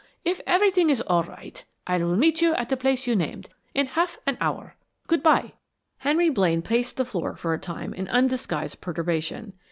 If everything is all right, I will meet you at the place you named in half an hour. Good by." Henry Blaine paced the floor for a time in undisguised perturbation.